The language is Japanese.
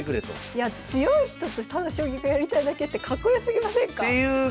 いや強い人とただ将棋がやりたいだけってかっこよすぎませんか？っていうことで。